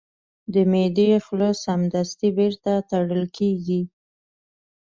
د معدې خوله سمدستي بیرته تړل کېږي.